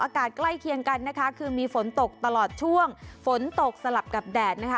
ใกล้เคียงกันนะคะคือมีฝนตกตลอดช่วงฝนตกสลับกับแดดนะคะ